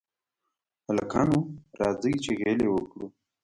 هلکانو! راځئ چې غېلې وکړو.